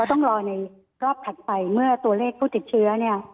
ต้องรอในรอบถัดไปเมื่อตัวเลขผู้ติดเชื้อเนี่ย